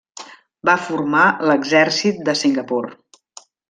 Va formar l'exèrcit de Singapur.